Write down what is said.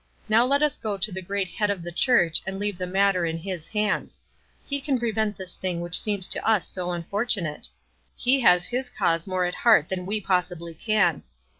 Now let us go to the great Head of the Church and leave the matter in his hands. He can prevent this thing which seems to us so unfortunate. He has his cause more at heart than we possibly can.